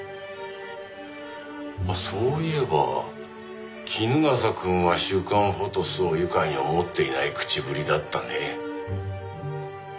あっそういえば衣笠くんは『週刊フォトス』を愉快に思っていない口ぶりだったね。